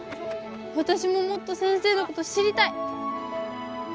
わたしももっと先生のこと知りたい！